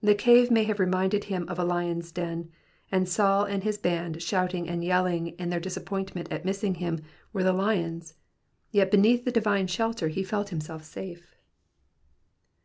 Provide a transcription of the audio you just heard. The cave may have reminded him of a lion's den, and Saul and his band shouting and yelling in their disappointment at missing him, were the lions ; yet beneath the divine shelter be felt himself safe.